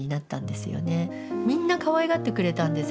みんなかわいがってくれたんです